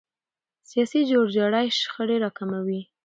سیاسي جوړجاړی شخړې راکموي